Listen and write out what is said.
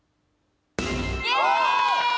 イエーイ！